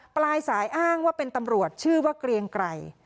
ปลายสายอ้างว่าเป็นตำรวจชื่อว่าเกรียงไกร